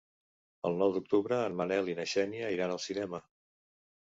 El nou d'octubre en Manel i na Xènia iran al cinema.